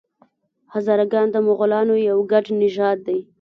هزاره ګان د مغولانو یو ګډ نژاد دی.